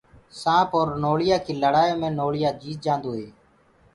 سآنٚپ اور نوݪِيآ ڪيٚ لڙآيو مي نوݪِيآ جيت جانٚدو هي